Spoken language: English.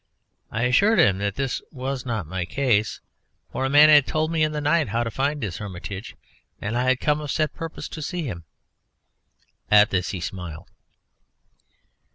I assured him that this was not my case, for a man had told me in the night how to find his hermitage and I had come of set purpose to see him. At this he smiled.